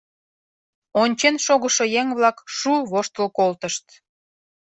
Ончен шогышо еҥ-влак шу воштыл колтышт.